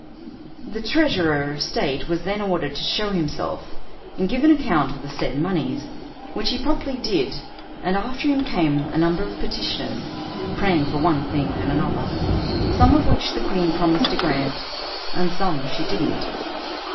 The treasurer of state was then ordered to show himself, and give an account of the said moneys, which he promptly did; and after him came a number of petitioners, praying for one thing and another, some of which the queen promised to grant, and some she didn't.